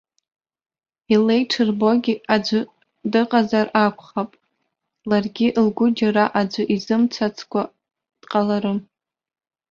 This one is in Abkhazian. Илеиҽырбогьы аӡәы дыҟазар акәхап, ларгьы лгәы џьара аӡәы изымцацкәа дҟаларым.